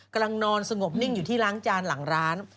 กำลังนอนสงบนิ่งอยู่ที่ล้างจานหลังร้าน